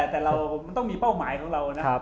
แต่เรามันต้องมีเป้าหมายของเรานะ